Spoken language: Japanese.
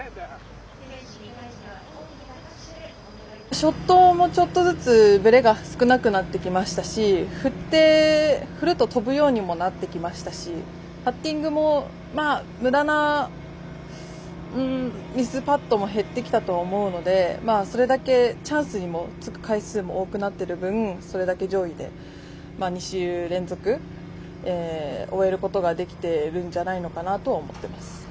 ショットもちょっとずつぶれが少なくなってきましたし振って、振ると飛ぶようにもなってきましたしパッティングもむだなミスパットも減ってきたと思うのでそれだけ、チャンスにもつく回数も多くなってる分それだけ、上位で２週連続、終えることができてるんじゃないのかなとは思ってます。